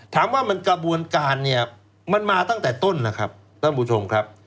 ถามว่ามันกระบวนการเนี่ยมันมาตั้งแต่ต้นนะครับท่านผู้ชมครับ